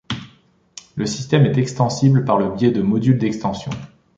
Le système est extensible par le biais de modules d’extension.